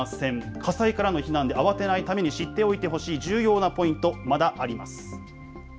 火災からの避難で慌てないために重要なポイント、まだあります。